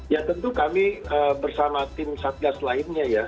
ya tentu kami bersama tim satgas lainnya ya